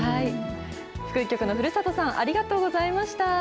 福井局の古里さん、ありがとうございました。